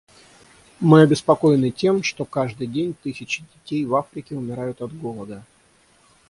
Мы обеспокоены тем, что каждый день тысячи детей в Африке умирают от голода.